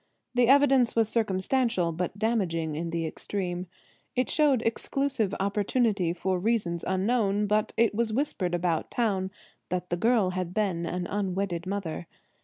The evidence was circumstantial, but damaging in the extreme. It showed exclusive opportunity for reasons unknown, but it was whispered about town that the girl had been an unwedded mother.